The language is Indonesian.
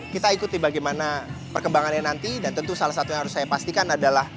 kita ikuti bagaimana perkembangannya nanti dan tentu salah satu yang harus saya pastikan adalah